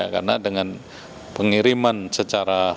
karena dengan pengiriman secara